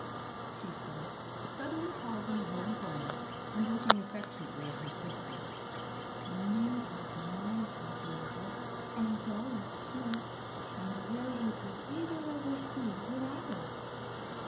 " she said, suddenly pausing in her employment, and looking affectionately at her sister. " Mabel's my good angel, and Dolly's too. And where would we either of us be without her